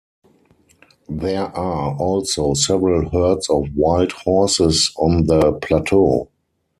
There are also several herds of wild horses on the plateau.